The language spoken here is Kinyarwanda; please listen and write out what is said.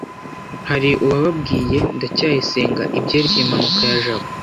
hari uwabwiye ndacyayisenga ibyerekeye impanuka ya jabo